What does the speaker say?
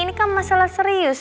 ini kan masalah serius